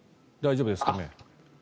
大丈夫ですかね？